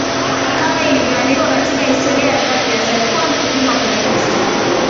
kama ilivyoandikwa katika Historia ya Agathias alikuwa mkulima wa prankster